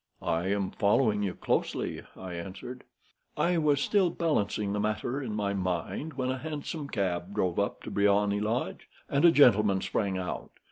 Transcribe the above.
"I am following you closely," I answered. "I was still balancing the matter in my mind, when a hansom cab drove up to Briony Lodge, and a gentleman sprung out.